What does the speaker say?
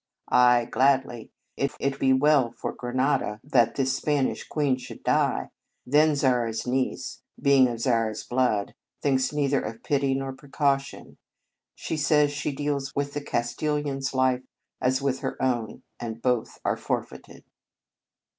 Ay, gladly. If it be well for Granada that this Spanish queen should die, then Zara s niece, being of Zara s blood, thinks neither of pity nor precaution. She says she deals with the Castilian s life as with her own, and both are forfeited."